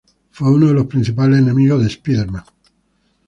Fue uno de los principales enemigos de Spider-Man.